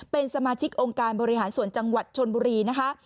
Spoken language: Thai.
เป็นสมาชิกองค์การบริหารส่วนจังหวัดชนบุรีนะคะ